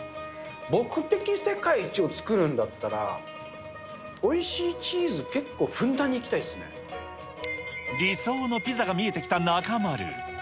僕的世界一を作るんだったら、おいしいチーズ、結構ふんだんに理想のピザが見えてきた中丸。